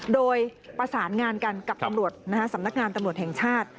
โดยประสานงานกันกับตำรวจสำนักงานตำรวจแห่งชาติ